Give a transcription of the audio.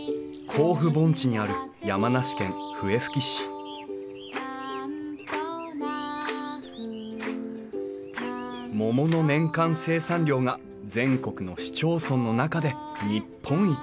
甲府盆地にある山梨県笛吹市桃の年間生産量が全国の市町村の中で日本一。